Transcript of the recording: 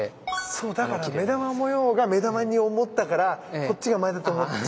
そうだから目玉模様が目玉に思ったからこっちが前だと思っちゃったんだ。